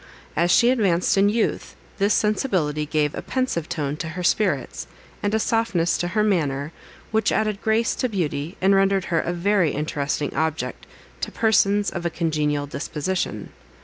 As she advanced in youth, this sensibility gave a pensive tone to her spirits, and a softness to her manner, which added grace to beauty, and rendered her a very interesting object to persons of a congenial disposition.